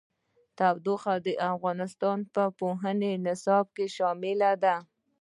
تودوخه د افغانستان د پوهنې نصاب کې شامل دي.